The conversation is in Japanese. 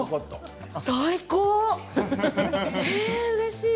最高！えうれしい！